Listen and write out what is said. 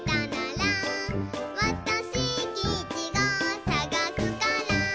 「わたしきいちごさがすから」